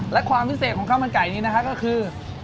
และความพิเศษของข้าวมันไก่นี้นะฮะก็คือ